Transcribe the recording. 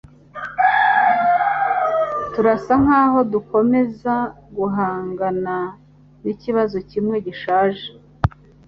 Turasa nkaho dukomeza guhangana nikibazo kimwe gishaje.